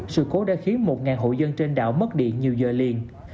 sự cố đã khiến một hộ dân trên đảo mất điện nhiều giờ liền